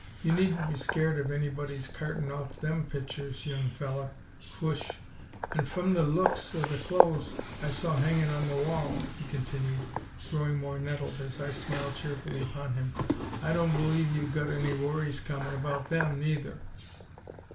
"You needn't be scared of anybody's cartin' off THEM pitchers, young feller! WHOOSH! An' f'm the luks of the CLO'ES I saw hangin' on the wall," he continued, growing more nettled as I smiled cheerfully upon him, "I don' b'lieve you gut any worries comin' about THEM, neither!"